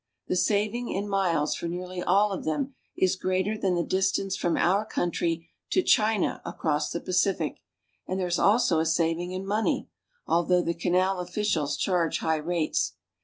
The saving in miles for nearly all of them is greater than the distance from our luntry to China across the ;ific, and there is also a sav in money, although the inal officials charge high rates.